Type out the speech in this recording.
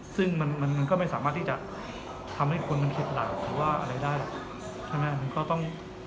ซึ่งมันก็ไม่สามารถที่จะทำให้คนมันเข็ดหลาบหรือว่าอะไรได้หรอกใช่ไหมมันก็ต้อง